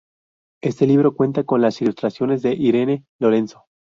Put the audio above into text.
Este libro cuenta con las ilustraciones de Irene Lorenzo.